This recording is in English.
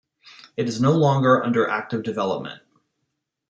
It is no longer under active development.